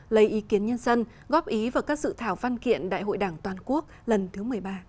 lấy ý kiến nhân dân góp ý vào các dự thảo văn kiện đại hội đảng toàn quốc lần thứ một mươi ba